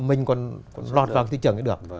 mình còn lọt vào thị trường thì được